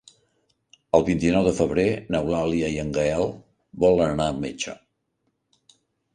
El vint-i-nou de febrer n'Eulàlia i en Gaël volen anar al metge.